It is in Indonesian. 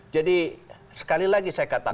jadi sekali lagi saya katakan